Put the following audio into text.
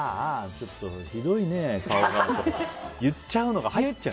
ちょっとひどいね、顔がとか言っちゃうのが入ってる。